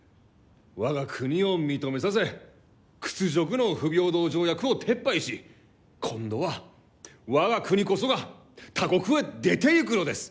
我が国を認めさせ屈辱の不平等条約を撤廃し今度は我が国こそが他国へ出ていくのです！